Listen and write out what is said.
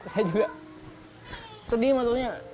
saya juga sedih maksudnya